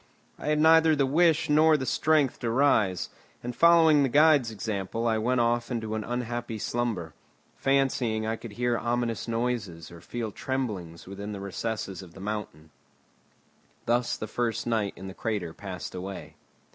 I had neither the wish nor the strength to rise, and following the guide's example I went off into an unhappy slumber, fancying I could hear ominous noises or feel tremblings within the recesses of the mountain. Thus the first night in the crater passed away.